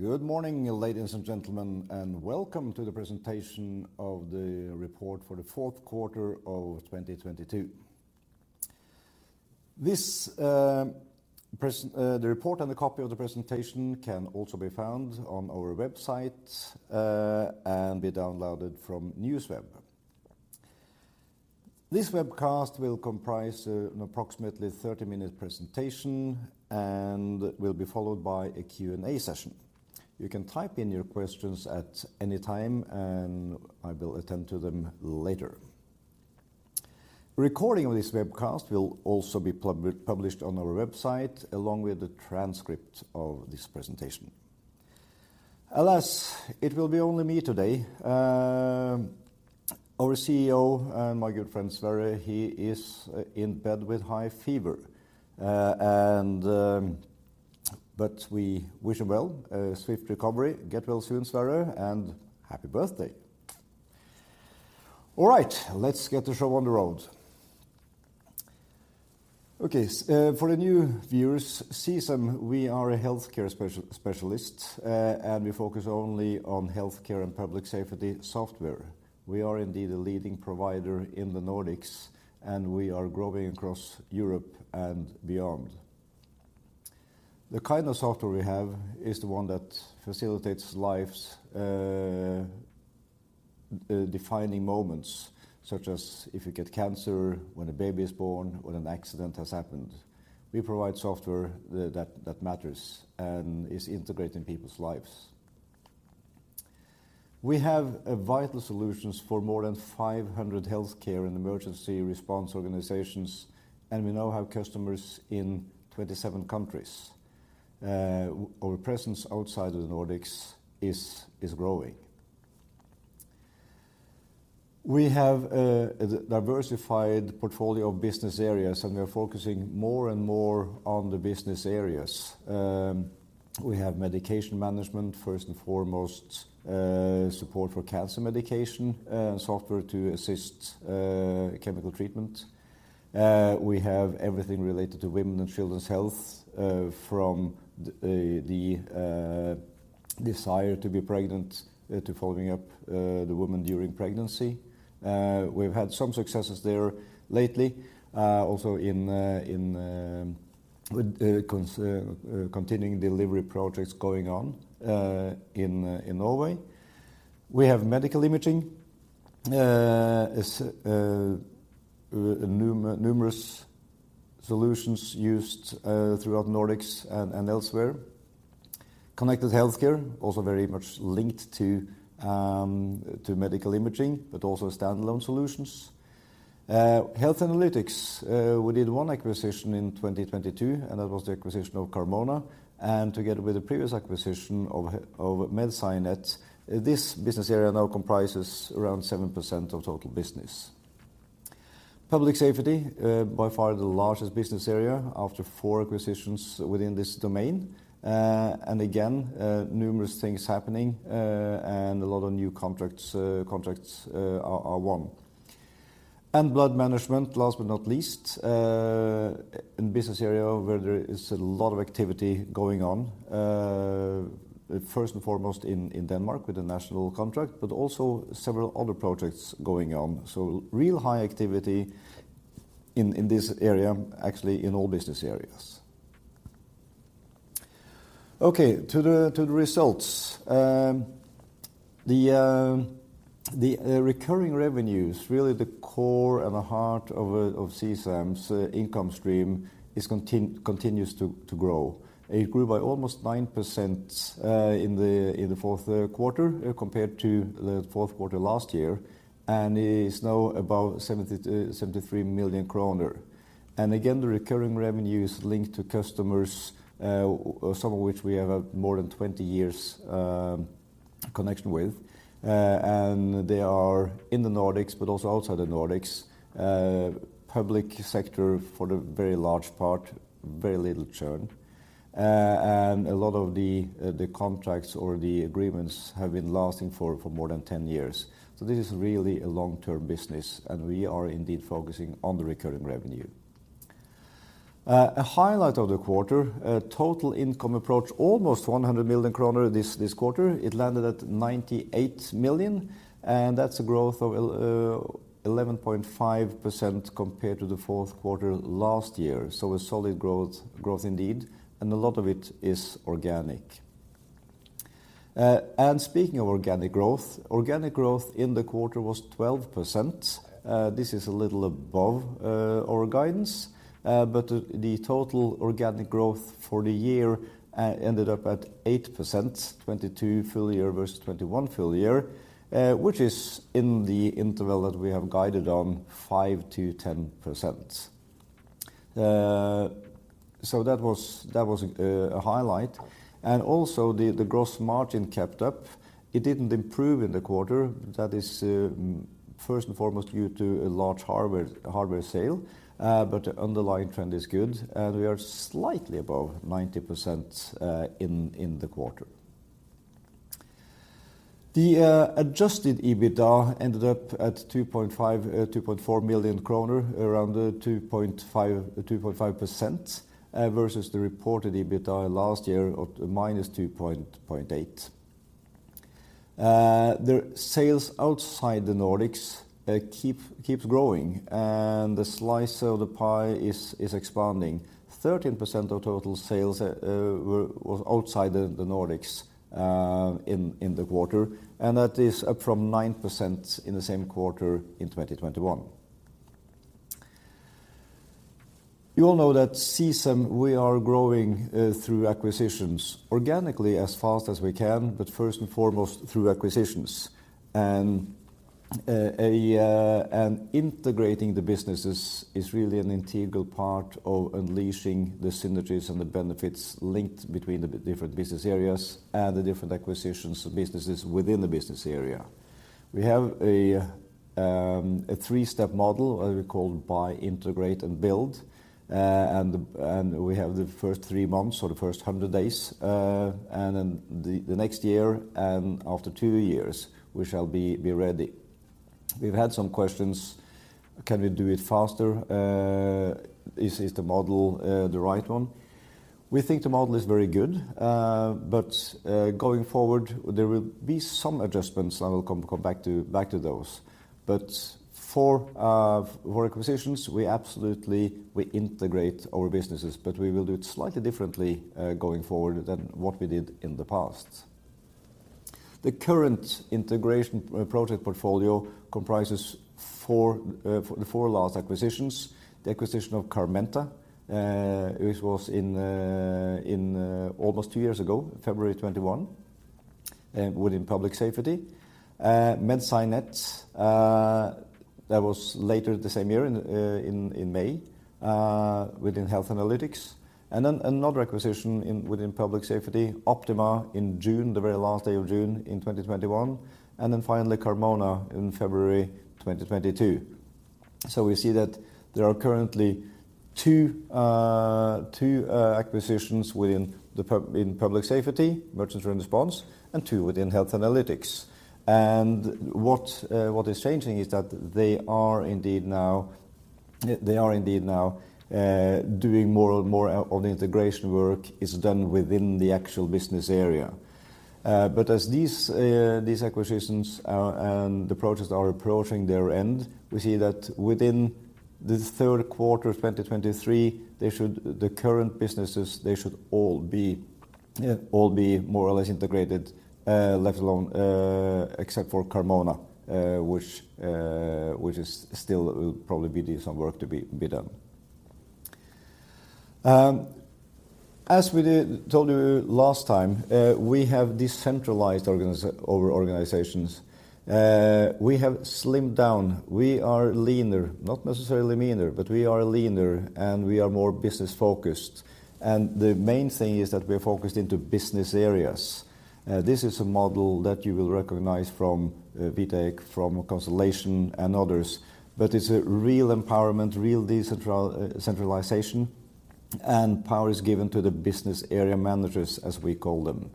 Good morning, ladies and gentlemen, and welcome to the presentation of the report for the fourth quarter of 2022. This, the report and the copy of the presentation can also be found on our website and be downloaded from NewsWeb. This webcast will comprise an approximately 30-minute presentation and will be followed by a Q&A session. You can type in your questions at any time, and I will attend to them later. A recording of this webcast will also be published on our website, along with a transcript of this presentation. Alas, it will be only me today. Our CEO and my good friend, Sverre, he is in bed with high fever. But we wish him well, a swift recovery. Get well soon, Sverre, and happy birthday. All right, let's get the show on the road. Okay, for the new viewers, CSAM, we are a healthcare specialist, and we focus only on healthcare and public safety software. We are indeed a leading provider in the Nordics, and we are growing across Europe and beyond. The kind of software we have is the one that facilitates life's defining moments, such as if you get cancer, when a baby is born, or an accident has happened. We provide software that matters and is integrated in people's lives. We have vital solutions for more than 500 healthcare and emergency response organizations, and we now have customers in 27 countries. Our presence outside of the Nordics is growing. We have a diversified portfolio of business areas, and we are focusing more and more on the business areas. We have Medication Management, first and foremost, support for cancer medication, software to assist chemical treatment. We have everything related to Women and Children's Health, from the desire to be pregnant to following up the woman during pregnancy. We've had some successes there lately, also in with continuing delivery projects going on in Norway. We have Medical Imaging, numerous solutions used throughout Nordics and elsewhere. Connected Healthcare, also very much linked to Medical Imaging, but also standalone solutions. Health Analytics, we did one acquisition in 2022, and that was the acquisition of Carmona. Together with the previous acquisition of MedSciNet, this business area now comprises around 7% of total business. Public safety, by far the largest business area after four acquisitions within this domain. Again, numerous things happening, and a lot of new contracts, are won. Blood management, last but not least, a business area where there is a lot of activity going on, first and foremost in Denmark with the national contract, but also several other projects going on. Real high activity in this area, actually in all business areas. Okay, to the results. The recurring revenues, really the core and the heart of Omda's income stream, continues to grow. It grew by almost 9% in the fourth quarter compared to the fourth quarter last year, and is now about 70 million (Norwegian Krone)-NOK 73 million (Norwegian Krone). Again, the recurring revenue is linked to customers, some of which we have a more than 20 years connection with. They are in the Nordics, but also outside the Nordics. Public sector, for the very large part, very little churn. A lot of the contracts or the agreements have been lasting for more than 10 years. This is really a long-term business, and we are indeed focusing on the recurring revenue. A highlight of the quarter, total income approached almost 100 million (Norwegian Krone) this quarter. It landed at 98 million (Norwegian Krone), and that's a growth of 11.5% compared to the fourth quarter last year. A solid growth indeed, and a lot of it is organic. Speaking of organic growth, organic growth in the quarter was 12%. This is a little above our guidance, the total organic growth for the year ended up at 8%, 2022 full year versus 2021 full year, which is in the interval that we have guided on, 5%-10%. That was a highlight. Also the gross margin kept up. It didn't improve in the quarter. That is first and foremost due to a large hardware sale. But the underlying trend is good, and we are slightly above 90% in the quarter. The adjusted EBITDA ended up at 2.5 (Norwegian Krone), 2.4 million (Norwegian Krone) around 2.5%, versus the reported EBITDA last year of -2.8%. The sales outside the Nordics keeps growing, and the slice of the pie is expanding. 13% of total sales was outside the Nordics in the quarter, and that is up from 9% in the same quarter in 2021. You all know that CSAM, we are growing through acquisitions organically as fast as we can, but first and foremost through acquisitions. Integrating the businesses is really an integral part of unleashing the synergies and the benefits linked between the different business areas and the different acquisitions of businesses within the business area. We have a three-step model we call buy, integrate, and build. We have the first three months or the first 100 days, and then the next year, and after two years, we shall be ready. We've had some questions, can we do it faster? Is the model the right one? We think the model is very good, but going forward, there will be some adjustments, and I will come back to those. For acquisitions, we absolutely, we integrate our businesses, but we will do it slightly differently going forward than what we did in the past. The current integration project portfolio comprises the four last acquisitions, the acquisition of Carmenta, which was almost two years ago, February 2021, within public safety. MedSciNet, that was later the same year in May, within Health Analytics. Another acquisition within public safety, Optima in June, the very last day of June in 2021. Finally, Carmona in February 2022. We see that there are currently two acquisitions within public safety, emergency response, and two within Health Analytics. What is changing is that they are indeed now doing more and more of the integration work is done within the actual business area. But as these acquisitions and the projects are approaching their end, we see that within the third quarter of 2023, the current businesses, they should all be more or less integrated, let alone except for Carmona, which is still probably be some work to be done. As we told you last time, we have decentralized our organizations. We have slimmed down. We are leaner, not necessarily meaner, but we are leaner, and we are more business-focused. The main thing is that we're focused into business areas. This is a model that you will recognize from Vitec, from Constellation, and others. It's a real empowerment, real decentralization, and power is given to the business area managers, as we call them.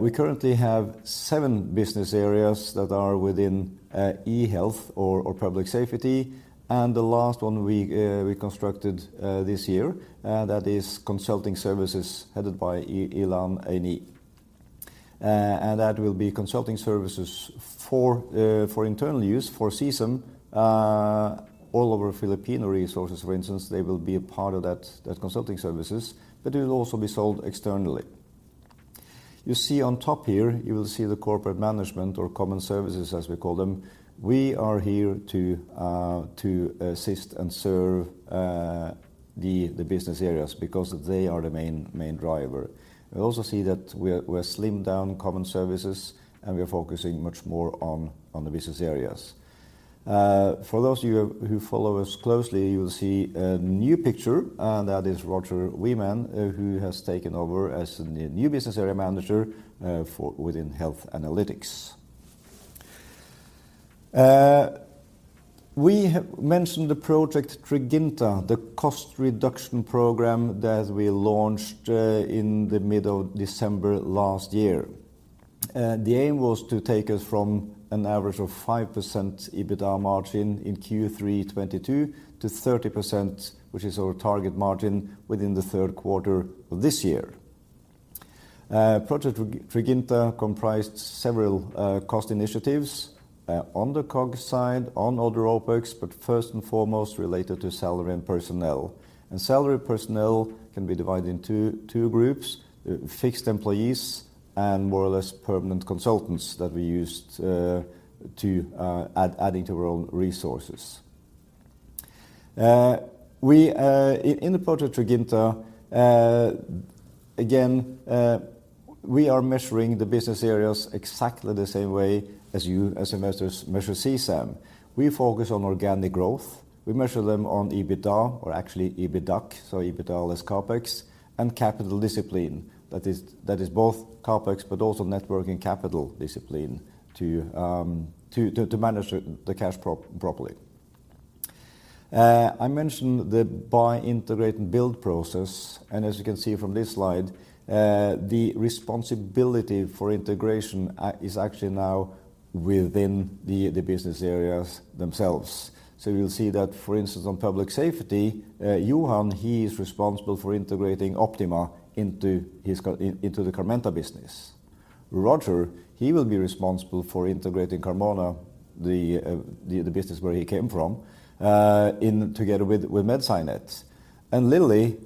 We currently have seven business areas that are within eHealth or public safety. The last one we constructed this year, that is consulting services headed by Ilan Eini. That will be consulting services for internal use, for CSAM. All of our Filipino resources, for instance, they will be a part of that consulting services, but it will also be sold externally. You see on top here, you will see the corporate management or common services, as we call them. We are here to assist and serve the business areas because they are the main driver. We also see that we're slimmed down common services, and we are focusing much more on the business areas. For those of you who follow us closely, you will see a new picture, and that is Roger Weman, who has taken over as the new business area manager within Health Analytics. We have mentioned Project Triginta, the cost reduction program that we launched in the middle of December last year. The aim was to take us from an average of 5% EBITDA margin in Q3 2022 to 30%, which is our target margin, within the third quarter of this year. Project Triginta comprised several cost initiatives on the COGS side, on other OPEX, but first and foremost related to salary and personnel. Salary personnel can be divided into two groups, fixed employees and more or less permanent consultants that we used to adding to our own resources. In the Project Triginta, again, we are measuring the business areas exactly the same way as you as investors measure CSAM. We focus on organic growth. We measure them on EBITDA or actually EBITDAC, so EBITDA less CapEx, and capital discipline. That is both CapEx, but also net working capital discipline to manage the cash properly. I mentioned the buy, integrate, and build process, and as you can see from this slide, the responsibility for integration is actually now within the business areas themselves. You'll see that, for instance, on public safety, Johan, he is responsible for integrating Optima into his Carmenta business. Roger, he will be responsible for integrating Carmona, the business where he came from, in together with MedSciNet. Lilly,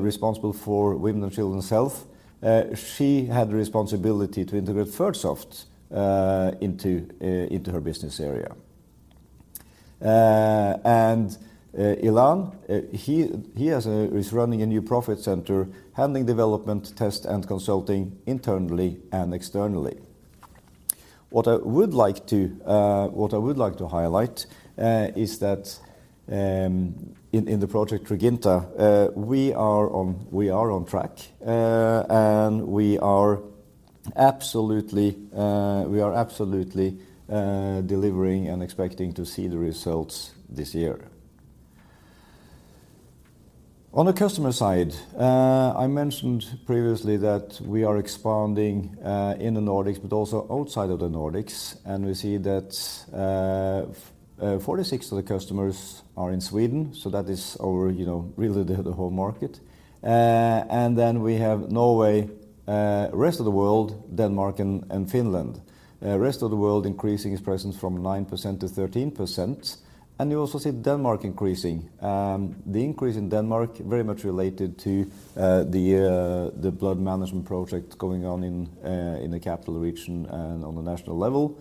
responsible for Women and Children's Health, she had responsibility to integrate Fertsoft into her business area. Ilan, he is running a new profit center, handling development, test, and consulting internally and externally. What I would like to highlight is that in the Project Triginta, we are on track. We are absolutely delivering and expecting to see the results this year. On the customer side, I mentioned previously that we are expanding in the Nordics but also outside of the Nordics, and we see that 46 of the customers are in Sweden, so that is our, you know, really the whole market. Then we have Norway, rest of the world, Denmark, and Finland. Rest of the world increasing its presence from 9% to 13%, and you also see Denmark increasing. The increase in Denmark very much related to the blood management project going on in the capital region and on the national level.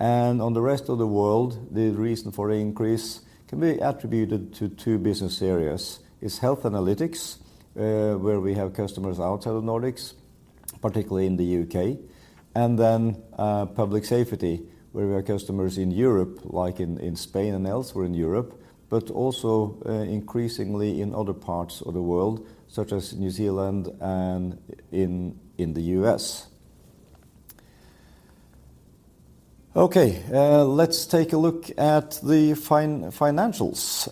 On the rest of the world, the reason for increase can be attributed to two business areas, is Health Analytics, where we have customers outside of Nordics, particularly in the U.K., and then public safety, where we have customers in Europe, like in Spain and elsewhere in Europe, but also increasingly in other parts of the world, such as New Zealand and in the U.S. Okay, let's take a look at the financials.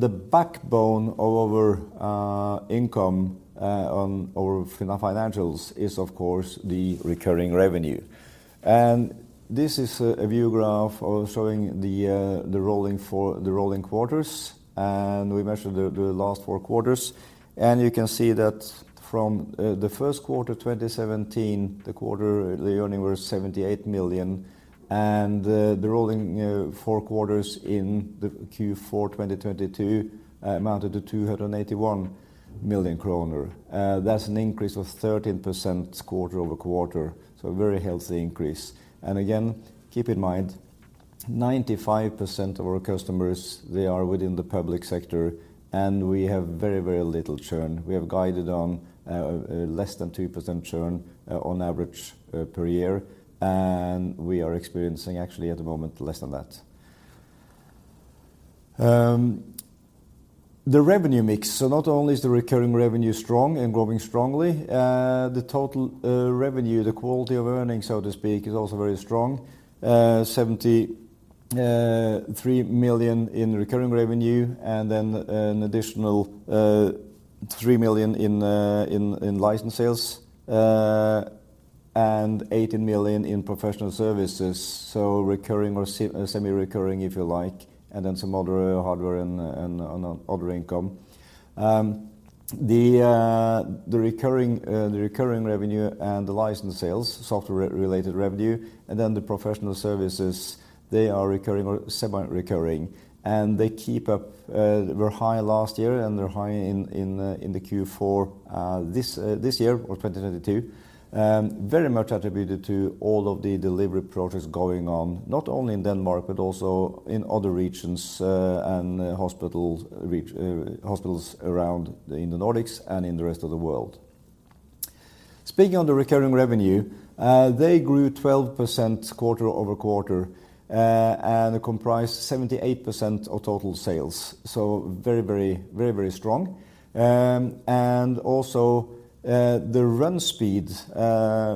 The backbone of our income on our financials is of course the recurring revenue. This is a view graph of showing the rolling quarters, and we measured the last four quarters. You can see that from the first quarter, 2017, the quarter, the earnings were 78 million (Norwegian Krone), and the rolling, you know, four quarters in the Q4 2022 amounted to 281 million (Norwegian Krone). That's an increase of 13% quarter-over-quarter, so a very healthy increase. Again, keep in mind, 95% of our customers, they are within the public sector, and we have very, very little churn. We have guided on less than 2% churn on average per year, and we are experiencing actually at the moment less than that. The revenue mix, so not only is the recurring revenue strong and growing strongly, the total revenue, the quality of earnings, so to speak, is also very strong. 73 million (Norwegian Krone) in recurring revenue and then an additional 3 million (Norwegian Krone) in license sales, and 80 million (Norwegian Krone) in professional services, so recurring or semi-recurring, if you like, and then some other hardware and other income. The recurring revenue and the license sales, software-related revenue, and then the professional services, they are recurring or semi-recurring, and they keep up, were high last year, and they're high in the Q4 this year or 2022, very much attributed to all of the delivery projects going on, not only in Denmark but also in other regions, and hospitals around in the Nordics and in the rest of the world. Speaking of the recurring revenue, they grew 12% quarter-over-quarter, and comprised 78% of total sales, so very, very, very, very strong. Also, the run speed,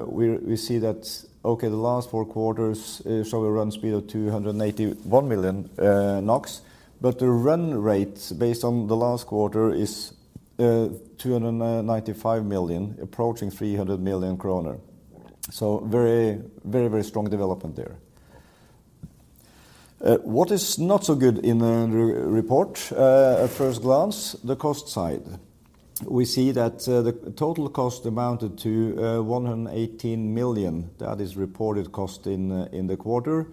we see that, okay, the last four quarters, show a run speed of 281 million (Norwegian Krone), but the run rate based on the last quarter is 295 million (Norwegian Krone), approaching 300 million (Norwegian Krone), so very, very, very strong development there. What is not so good in the report, at first glance, the cost side. We see that the total cost amounted to 118 million (Norwegian Krone). That is reported cost in the quarter.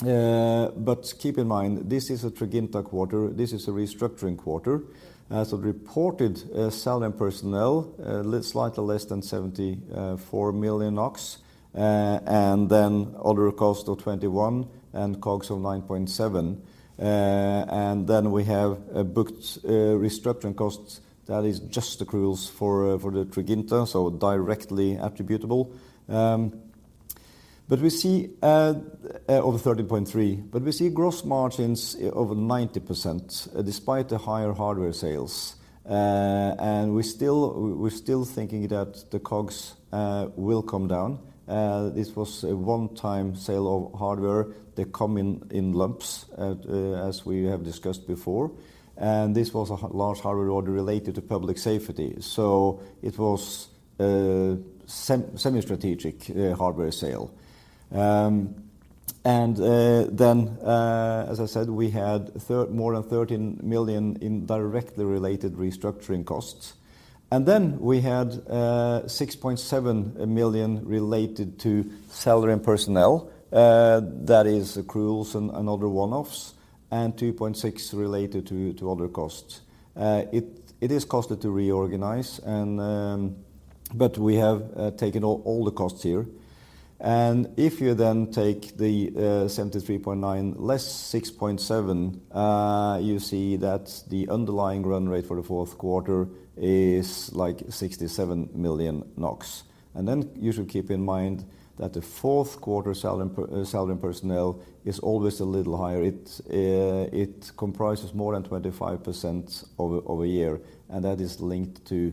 Keep in mind, this is a Triginta quarter. This is a restructuring quarter. As a reported selling personnel, slightly less than 74 million (Norwegian Krone), and then other costs of 21 million (Norwegian Krone) and COGS of 9.7 million (Norwegian Krone). We have booked restructuring costs that is just accruals for the Triginta, so directly attributable. We see over 13.3 million (Norwegian Krone), but we see gross margins over 90% despite the higher hardware sales. We're still thinking that the COGS will come down. This was a one-time sale of hardware. They come in lumps as we have discussed before. This was a large hardware order related to public safety. It was a semi-strategic hardware sale. As I said, we had more than 13 million (Norwegian Krone) in directly related restructuring costs. Then we had 6.7 million (Norwegian Krone) related to salary and personnel, that is accruals and other one-offs, and 2.6 (Norwegian Krone) related to other costs. It is costly to reorganize and, but we have taken all the costs here. If you then take 73.9 (Norwegian Krone) less 6.7 (Norwegian Krone), you see that the underlying run rate for the fourth quarter is like 67 million (Norwegian Krone). Then you should keep in mind that the fourth quarter salary and personnel is always a little higher. It comprises more than 25% of a, of a year, and that is linked to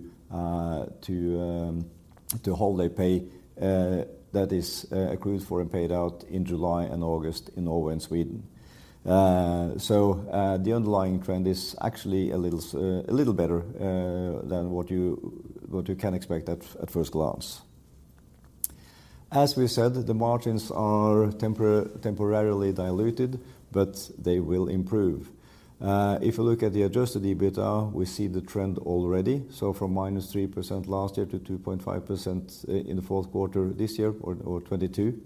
holiday pay, that is accrued for and paid out in July and August in Norway and Sweden. The underlying trend is actually a little better than what you can expect at first glance. As we said, the margins are temporarily diluted, but they will improve. If you look at the adjusted EBITDA, we see the trend already. From -3% last year to 2.5% in the fourth quarter this year, or 2022.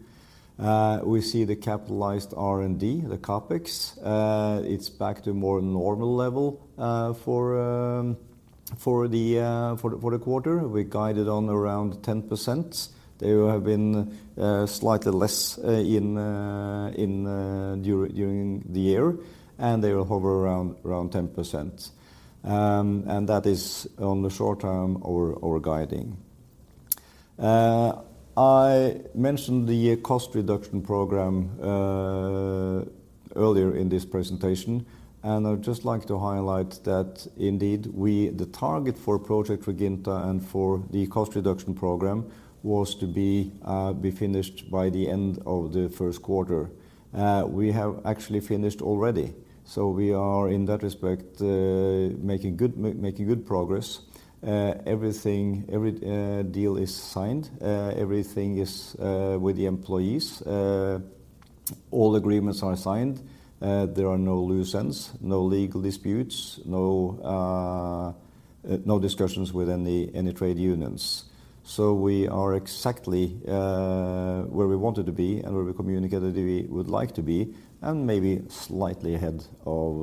We see the capitalized R&D, the CapEx. It's back to more normal level for the quarter. We guided on around 10%. They have been slightly less in during the year, and they will hover around 10%. That is on the short term our guiding. I mentioned the cost reduction program earlier in this presentation. I'd just like to highlight that indeed the target for Project Triginta and for the cost reduction program was to be finished by the end of the first quarter. We have actually finished already. We are in that respect making good progress. Everything, every deal is signed. Everything is with the employees. All agreements are signed. There are no loose ends, no legal disputes, no discussions within any trade unions. We are exactly where we wanted to be and where we communicated we would like to be, and maybe slightly ahead of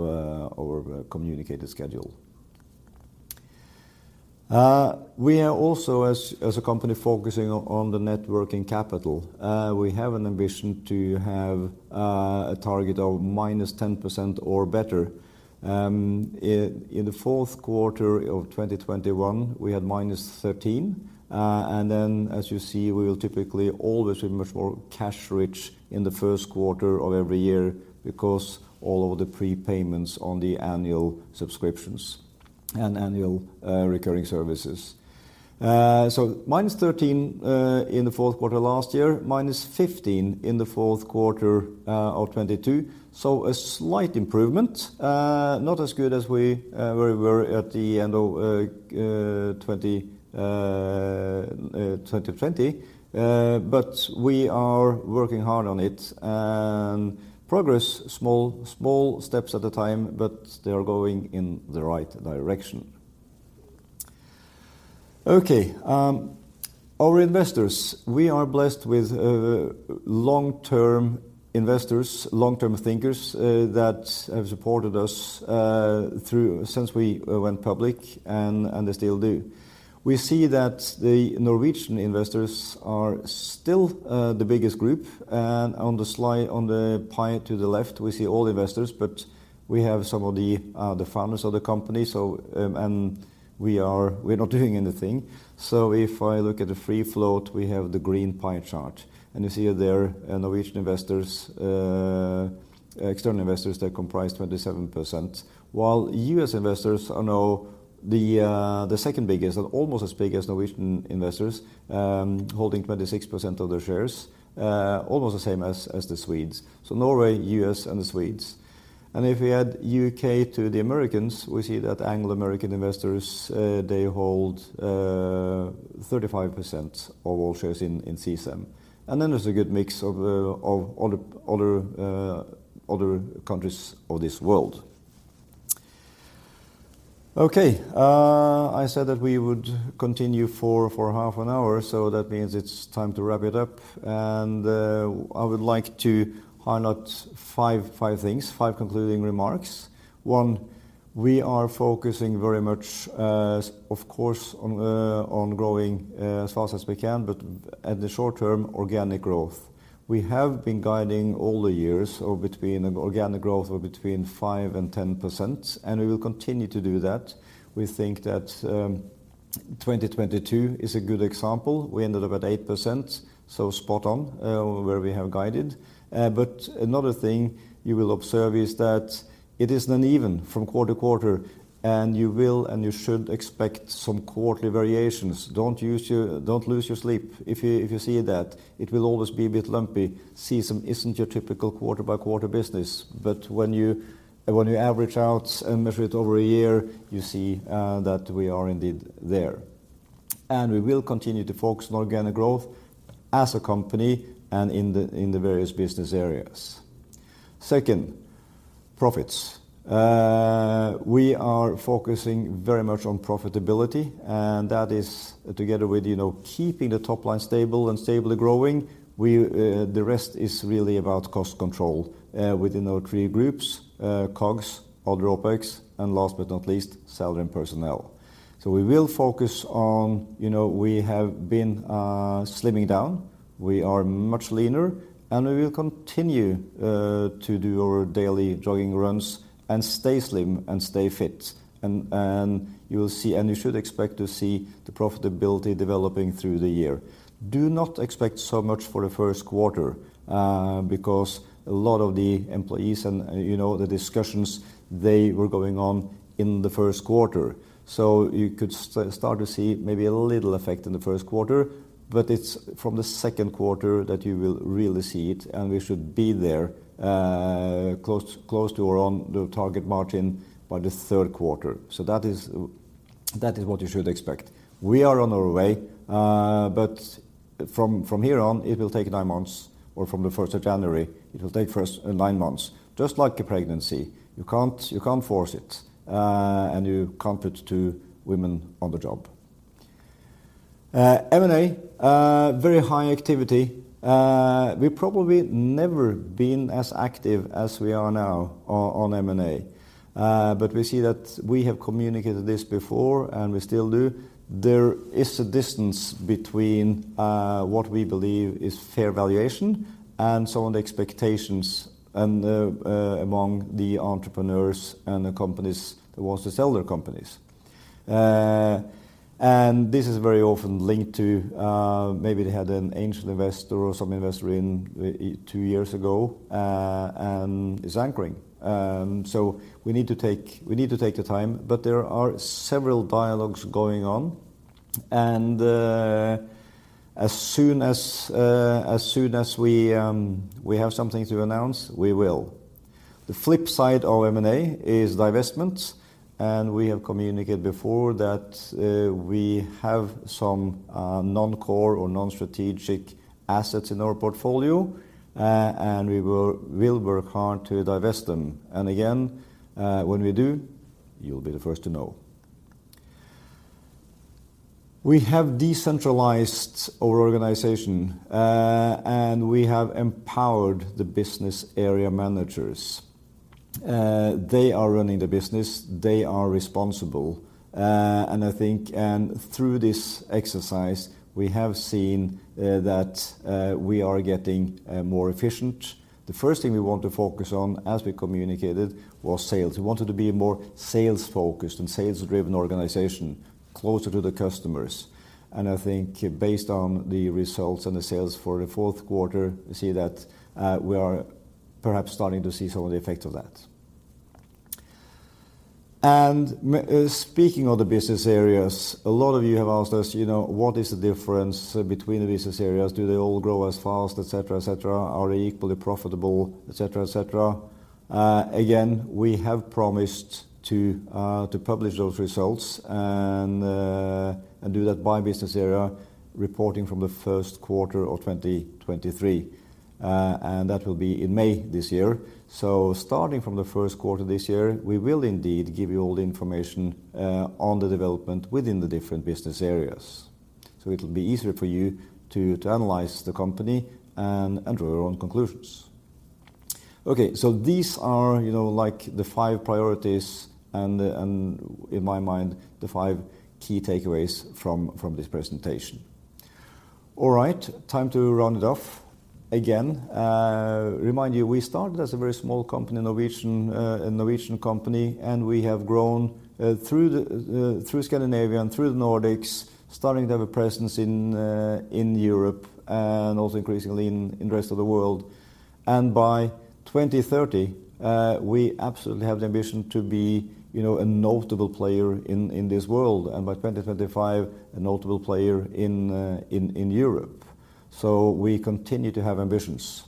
our communicated schedule. We are also as a company focusing on the net working capital. We have an ambition to have a target of -10% or better. In the fourth quarter of 2021, we had -13%. As you see, we will typically always be much more cash rich in the first quarter of every year because all of the prepayments on the annual subscriptions and annual recurring services. -13% in the fourth quarter last year, -15% in the fourth quarter of 2022, so a slight improvement, not as good as we where we were at the end of 2020. We are working hard on it and progress small steps at a time, but they are going in the right direction. Our investors, we are blessed with long-term investors, long-term thinkers that have supported us since we went public and they still do. We see that the Norwegian investors are still the biggest group, on the pie to the left, we see all investors, but we have some of the founders of the company. We're not doing anything. If I look at the free float, we have the green pie chart, you see there Norwegian investors, external investors that comprise 27%, while U.S. investors are now the second biggest and almost as big as Norwegian investors, holding 26% of the shares, almost the same as the Swedes. Norway, U.S., and the Swedes. If we add U.K. to the Americans, we see that Anglo-American investors, they hold 35% of all shares in CSAM. There's a good mix of other countries of this world. Okay, I said that we would continue for half an hour, so that means it's time to wrap it up. I would like to highlight five things, five concluding remarks. One, we are focusing very much, of course, on growing as fast as we can, but at the short term, organic growth. We have been guiding all the years of organic growth of between 5% and 10%, and we will continue to do that. We think that 2022 is a good example. We ended up at 8%, so spot on where we have guided. Another thing you will observe is that it is uneven from quarter to quarter, and you should expect some quarterly variations. Don't lose your sleep if you see that. It will always be a bit lumpy. Season isn't your typical quarter-by-quarter business. When you average out and measure it over a year, you see that we are indeed there. We will continue to focus on organic growth as a company and in the various business areas. Second, profits. We are focusing very much on profitability, and that is together with, you know, keeping the top line stable and stably growing, we, the rest is really about cost control within our three groups, COGS, other OpEx, and last but not least, salary and personnel. We will focus on, you know, we have been slimming down. We are much leaner, and we will continue to do our daily jogging runs and stay slim and stay fit. You will see, and you should expect to see the profitability developing through the year. Do not expect so much for the first quarter, because a lot of the employees and, you know, the discussions they were going on in the first quarter. You could start to see maybe a little effect in the first quarter, but it's from the second quarter that you will really see it, and we should be there close to or on the target margin by the third quarter. That is what you should expect. We are on our way, but from here on, it will take nine months, or from the first of January, it will take first, nine months. Just like a pregnancy, you can't, you can't force it, and you can't put two women on the job. M&A, very high activity. We've probably never been as active as we are now on M&A. We see that we have communicated this before, and we still do. There is a distance between what we believe is fair valuation and some of the expectations and among the entrepreneurs and the companies that want to sell their companies. This is very often linked to maybe they had an angel investor or some investor in two years ago, and it's anchoring. So we need to take the time, but there are several dialogues going on. As soon as we have something to announce, we will. The flip side of M&A is divestment, and we have communicated before that we have some non-core or non-strategic assets in our portfolio, and we will work hard to divest them. Again, when we do, you'll be the first to know. We have decentralized our organization, and we have empowered the business area managers. They are running the business. They are responsible. I think through this exercise, we have seen that we are getting more efficient. The first thing we want to focus on, as we communicated, was sales. We wanted to be more sales-focused and sales-driven organization, closer to the customers. I think based on the results and the sales for the fourth quarter, we see that we are perhaps starting to see some of the effects of that. Speaking of the business areas, a lot of you have asked us, you know, what is the difference between the business areas? Do they all grow as fast, etc.? Are they equally profitable, etc.? Again, we have promised to publish those results and do that by business area, reporting from the first quarter of 2023, and that will be in May this year. Starting from the first quarter this year, we will indeed give you all the information on the development within the different business areas. It'll be easier for you to analyze the company and draw your own conclusions. Okay. These are, you know, like the five priorities and in my mind, the five key takeaways from this presentation. All right. Time to round it off. Again, remind you, we started as a very small company, Norwegian, a Norwegian company, and we have grown through Scandinavia and through the Nordics, starting to have a presence in Europe and also increasingly in the rest of the world. By 2030, we absolutely have the ambition to be, you know, a notable player in this world, and by 2025, a notable player in Europe. We continue to have ambitions.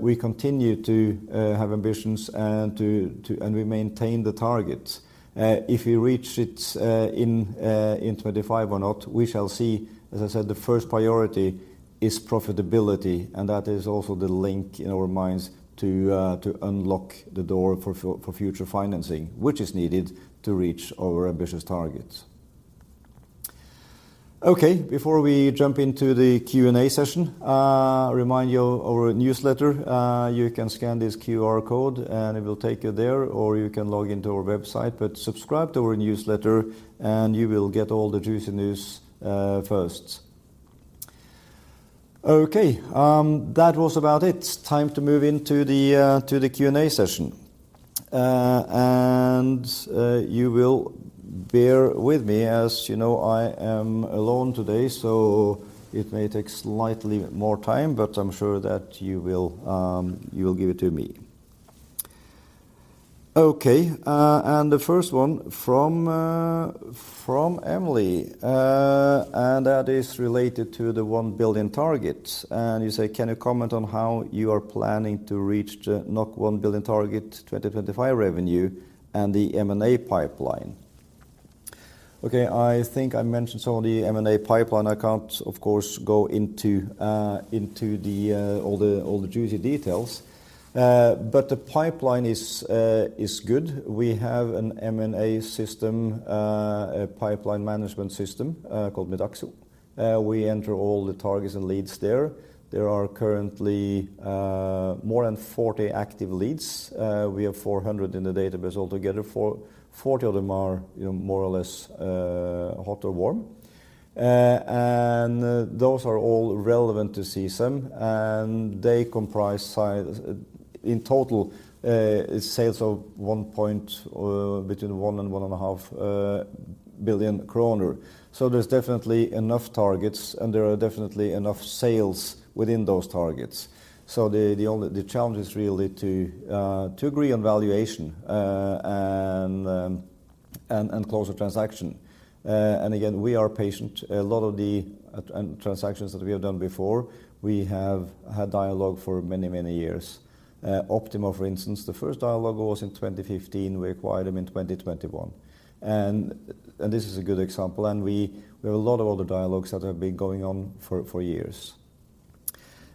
We continue to have ambitions and we maintain the targets. If we reach it in 2025 or not, we shall see. As I said, the first priority is profitability, and that is also the link in our minds to unlock the door for future financing, which is needed to reach our ambitious targets. Okay. Before we jump into the Q&A session, remind you our newsletter. You can scan this QR code, and it will take you there, or you can log into our website. Subscribe to our newsletter, and you will get all the juicy news first. Okay. That was about it. Time to move into the to the Q&A session. You will bear with me. As you know, I am alone today, so it may take slightly more time, but I'm sure that you will, you will give it to me. Okay. The first one from Emily, and that is related to the 1 billion (Norwegian Krone) target. You say, "Can you comment on how you are planning to reach the 1 billion (Norwegian Krone) target 2025 revenue and the M&A pipeline?" Okay, I think I mentioned some of the M&A pipeline. I can't, of course, go into all the juicy details. The pipeline is good. We have an M&A system, a pipeline management system, called Midaxo. We enter all the targets and leads there. There are currently more than 40 active leads. We have 400 in the database altogether. 40 of them are, you know, more or less hot or warm. Those are all relevant to CSAM, and they comprise in total sales of between 1 billion (Norwegian Krone) and 1.5 billion (Norwegian Krone). There's definitely enough targets, and there are definitely enough sales within those targets. The only challenge is really to agree on valuation and close a transaction. Again, we are patient. A lot of the transactions that we have done before, we have had dialogue for many, many years. Optima, for instance, the first dialogue was in 2015. We acquired them in 2021. This is a good example, and we have a lot of other dialogues that have been going on for years.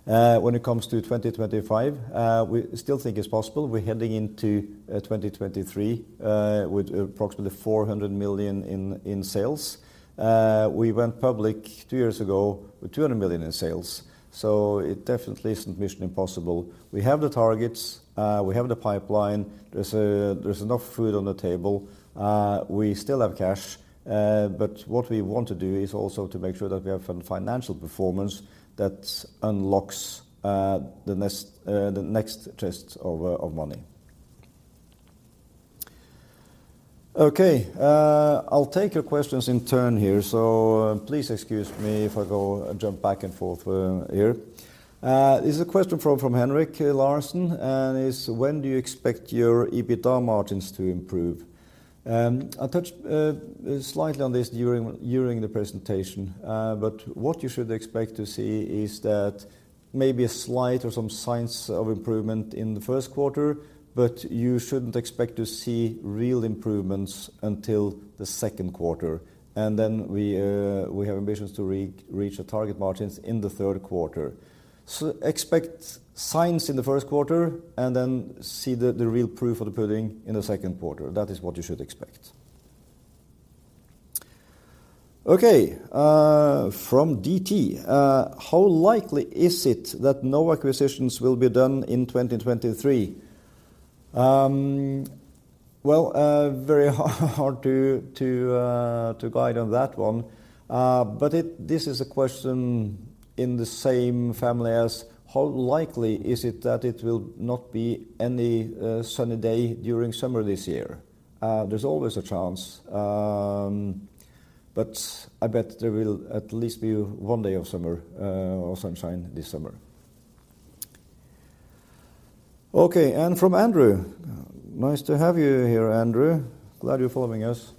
When it comes to 2025, we still think it's possible. We're heading into 2023 with approximately 400 million (Norwegian Krone) in sales. We went public two years ago with 200 million (Norwegian Krone) in sales, so it definitely isn't mission impossible. We have the targets. We have the pipeline. There's enough food on the table. We still have cash. What we want to do is also to make sure that we have a financial performance that unlocks the next chest of money. Okay. I'll take your questions in turn here, so please excuse me if I go and jump back and forth here. This is a question from Henrik Larsson, and is, "When do you expect your EBITDA margins to improve?" I touched slightly on this during the presentation, but what you should expect to see is that maybe a slight or some signs of improvement in the first quarter, but you shouldn't expect to see real improvements until the second quarter. Then we have ambitions to reach the target margins in the third quarter. Expect signs in the first quarter and then see the real proof of the pudding in the second quarter. That is what you should expect. Okay, from D.T., "How likely is it that no acquisitions will be done in 2023?" Well, very hard to guide on that one. This is a question in the same family as how likely is it that it will not be any sunny day during summer this year? There's always a chance, but I bet there will at least be one day of summer or sunshine this summer. From Andrew. Nice to have you here, Andrew. Glad you're following us.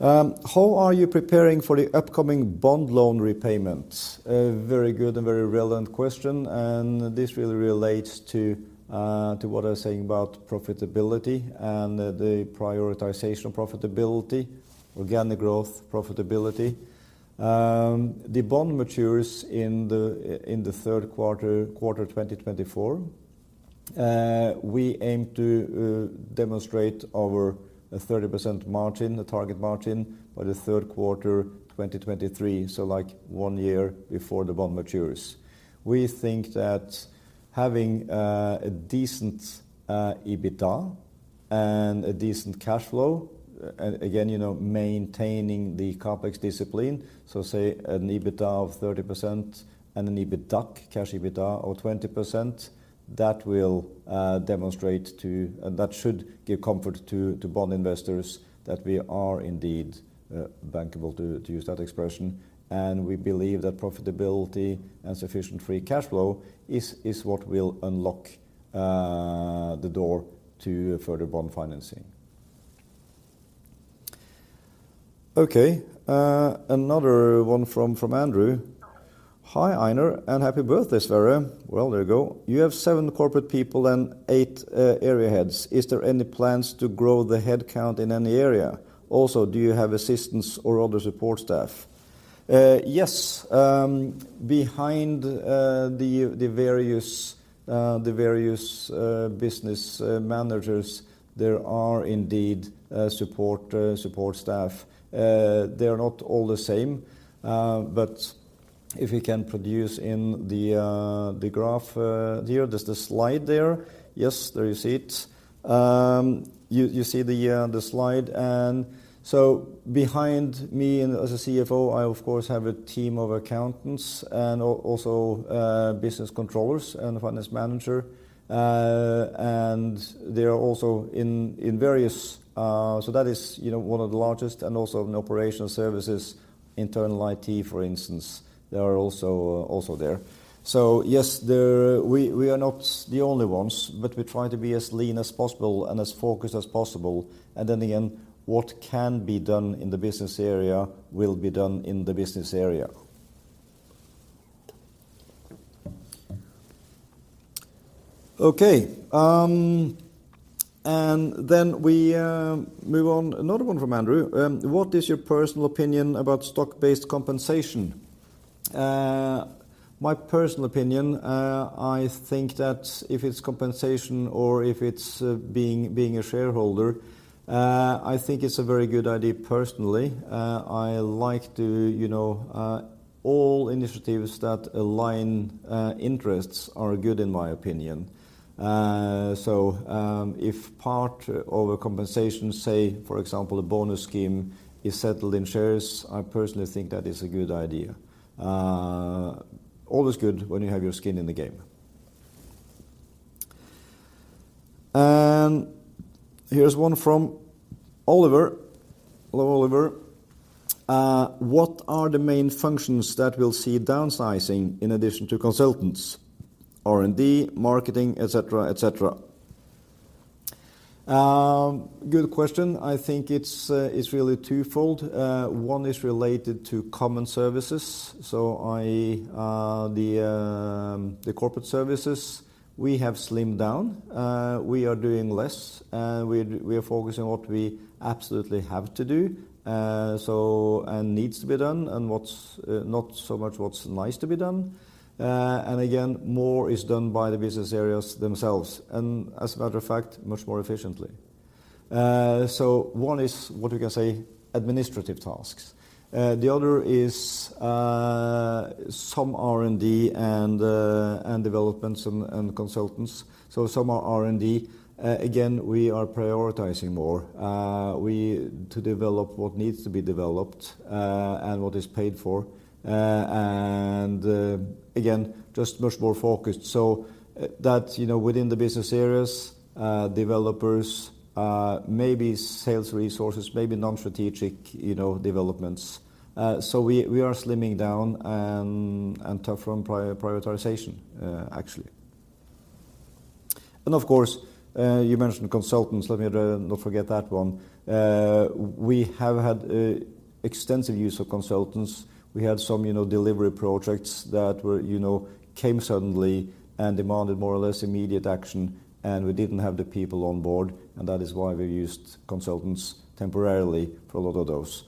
"How are you preparing for the upcoming bond loan repayments?" A very good and very relevant question, and this really relates to what I was saying about profitability and the prioritization of profitability, organic growth profitability. The bond matures in the third quarter 2024. We aim to demonstrate our 30% margin, the target margin, by the third quarter 2023, so, like, one year before the bond matures. We think that having a decent EBITDA and a decent cash flow, again, you know, maintaining the CapEx discipline, so, say, an EBITDA of 30% and an EBITDAC, cash EBITDA, of 20%, that will demonstrate to, and that should give comfort to, bond investors that we are indeed bankable, to use that expression. We believe that profitability and sufficient free cash flow is what will unlock the door to further bond financing. Okay, another one from Andrew. "Hi, Einar, and happy birthday, Sverre." Well, there you go. "You have seven corporate people and eight area heads. Is there any plans to grow the headcount in any area? Also, do you have assistants or other support staff?" Yes. Behind the various business managers, there are indeed support staff. They are not all the same, but if you can produce in the graph here, there's the slide there. Yes, there you see it. You, you see the slide. Behind me and as a CFO, I of course have a team of accountants and also business controllers and a finance manager. They are also in various. That is, you know, one of the largest and also in operational services, internal IT, for instance, they are also there. Yes, there we are not the only ones, but we try to be as lean as possible and as focused as possible. Again, what can be done in the business area will be done in the business area. We move on. Another one from Andrew. What is your personal opinion about stock-based compensation? My personal opinion, I think that if it's compensation or if it's being a shareholder, I think it's a very good idea personally. I like to, you know, all initiatives that align interests are good in my opinion. If part of a compensation, say for example, a bonus scheme is settled in shares, I personally think that is a good idea. Always good when you have your skin in the game. Here's one from Oliver. Hello, Oliver. What are the main functions that will see downsizing in addition to consultants, R&D, marketing, et cetera, et cetera? Good question. I think it's really twofold. One is related to common services. The corporate services we have slimmed down, we are doing less. We are focusing on what we absolutely have to do, so, and needs to be done, and what's not so much what's nice to be done. Again, more is done by the business areas themselves, and as a matter of fact, much more efficiently. One is what we can say, administrative tasks. The other is some R&D and developments and consultants, so some are R&D. Again, we are prioritizing more, we to develop what needs to be developed, and what is paid for. Again, just much more focused so that, you know, within the business areas, developers, maybe sales resources, maybe non-strategic, you know, developments. We are slimming down and tough on prioritization, actually. Of course, you mentioned consultants. Let me not forget that one. We have had extensive use of consultants. We had some, you know, delivery projects that were, you know, came suddenly and demanded more or less immediate action, and we didn't have the people on board, and that is why we used consultants temporarily for a lot of those.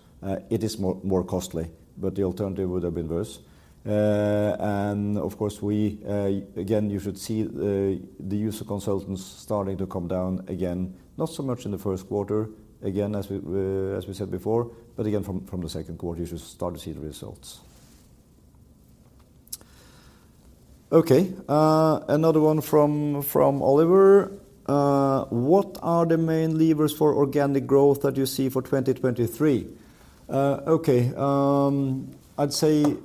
It is more costly, but the alternative would've been worse. And of course, we, again, you should see the use of consultants starting to come down again, not so much in the first quarter, again, as we said before, but from the second quarter, you should start to see the results. Another one from Oliver. What are the main levers for organic growth that you see for 2023? I'd say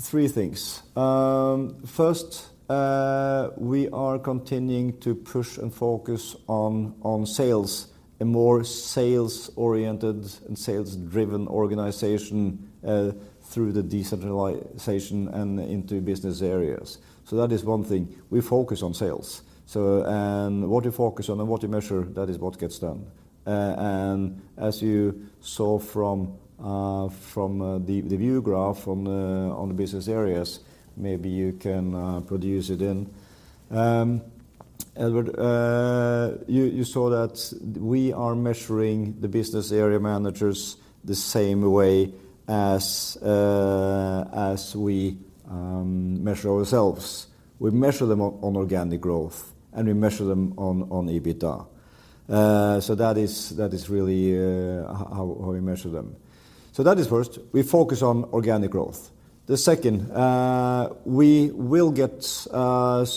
three things. First, we are continuing to push and focus on sales, a more sales-oriented and sales-driven organization, through the decentralization and into business areas. That is one thing. We focus on sales, and what we focus on and what we measure that is what gets done. As you saw from the view graph on the business areas, maybe you can produce it in Edward. You saw that we are measuring the business area managers the same way as we measure ourselves. We measure them on organic growth, and we measure them on EBITDA. That is really how we measure them. That is first, we focus on organic growth. The second, we will get some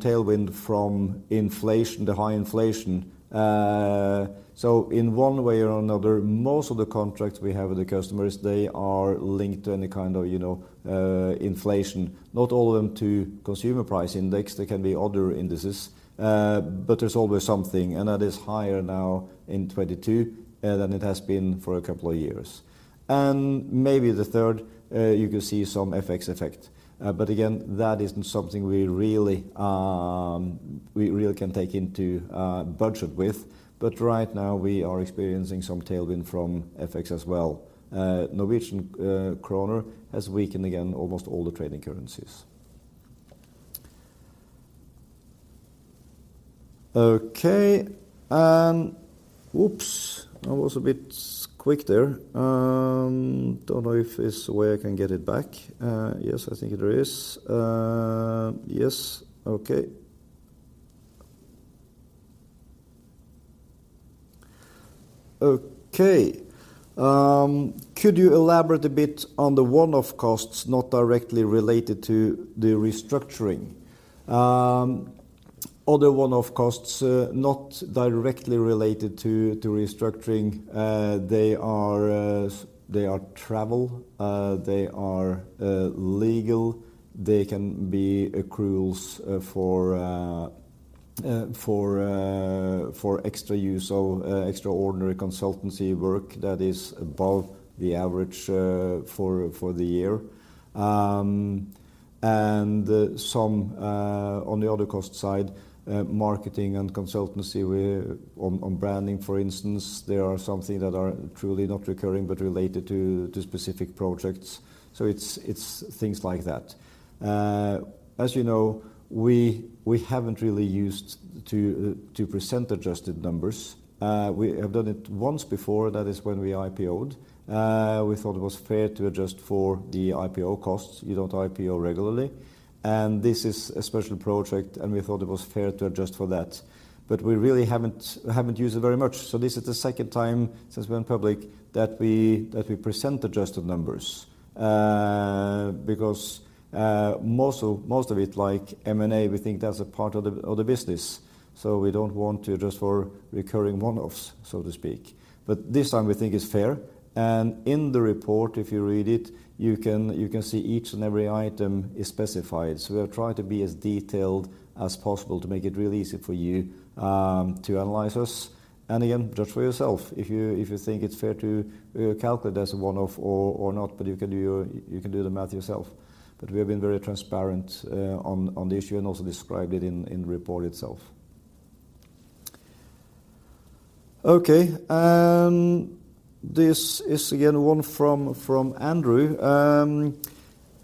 tailwind from inflation, the high inflation. In one way or another, most of the contracts we have with the customers, they are linked to any kind of, you know, inflation, not all of them to consumer price index. They can be other indices, but there's always something, and that is higher now in 22 than it has been for a couple of years. Maybe the third, you could see some FX effect. Again, that isn't something we really, we really can take into budget with. Right now we are experiencing some tailwind from FX as well. Norwegian kroner has weakened again, almost all the trading currencies. Okay. Oops, I was a bit quick there. Don't know if it's a way I can get it back. Yes, I think there is. Yes. Okay. Could you elaborate a bit on the one-off costs not directly related to the restructuring? Other one-off costs, not directly related to restructuring, they are travel, they are legal, they can be accruals, for extra use of extraordinary consultancy work that is above the average, for the year. Some on the other cost side, marketing and consultancy where on branding, for instance, there are something that are truly not recurring, but related to specific projects. It's things like that. As you know, we haven't really used to present adjusted numbers. We have done it once before, that is when we IPO'd. We thought it was fair to adjust for the IPO costs. You don't IPO regularly. This is a special project, and we thought it was fair to adjust for that. We really haven't, we haven't used it very much, so this is the second time since we went public that we present adjusted numbers. Because most of it, like M&A, we think that's a part of the business, so we don't want to adjust for recurring one-offs, so to speak. This time we think it's fair, and in the report, if you read it, you can see each and every item is specified. We have tried to be as detailed as possible to make it really easy for you to analyze us, and again, judge for yourself if you think it's fair to calculate as a one-off or not, but you can do the math yourself. We have been very transparent on the issue and also described it in the report itself. Okay. This is again one from Andrew,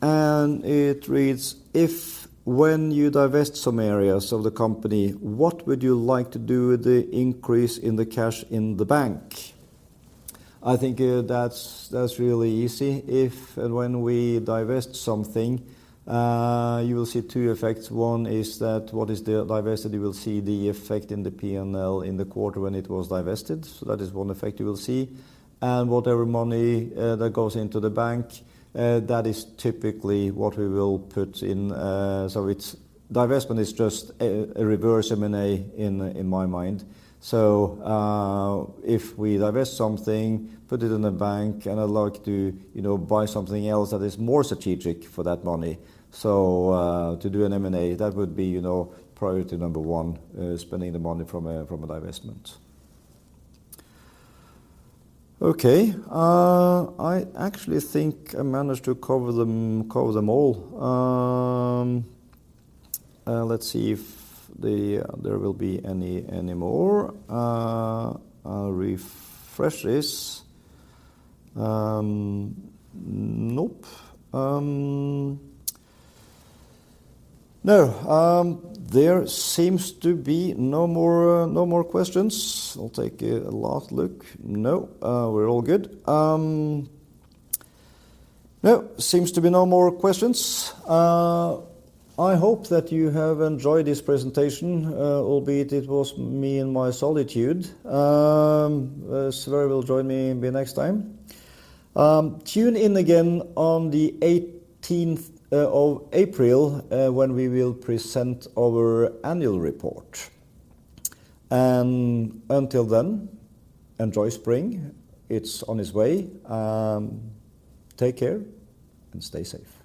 and it reads, "If when you divest some areas of the company, what would you like to do with the increase in the cash in the bank?" I think that's really easy. If and when we divest something, you will see two effects. One is that what is the divested you will see the effect in the P&L in the quarter when it was divested, so that is one effect you will see. Whatever money that goes into the bank, that is typically what we will put in. It's. Divestment is just a reverse M&A in my mind. If we divest something, put it in the bank, and I'd like to, you know, buy something else that is more strategic for that money. To do an M&A, that would be, you know, priority number one, spending the money from a, from a divestment. Okay. I actually think I managed to cover them, cover them all. Let's see if there will be any more. I'll refresh this. Nope. No. There seems to be no more, no more questions. I'll take a last look. No. We're all good. No. Seems to be no more questions. I hope that you have enjoyed this presentation, albeit it was me in my solitude. Sverre will join me next time. Tune in again on the 18th of April when we will present our annual report. Until then, enjoy spring. It's on its way. Take care, and stay safe.